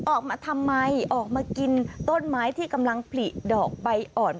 ออกมาทำไมออกมากินต้นไม้ที่กำลังผลิดอกใบอ่อน